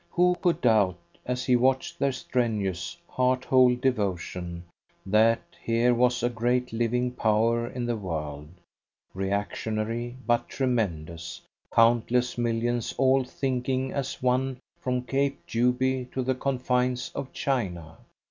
Who could doubt, as he watched their strenuous, heart whole devotion, that here was a great living power in the world, reactionary but tremendous, countless millions all thinking as one from Cape Juby to the confines of China?